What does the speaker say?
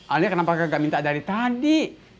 alia kenapa enggak minta dari tadi